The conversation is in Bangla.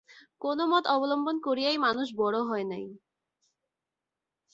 কোন মত অবলম্বন করিয়াই মানুষ বড় হয় নাই।